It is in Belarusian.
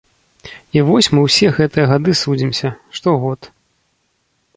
І вось мы ўсе гэтыя гады судзімся, штогод.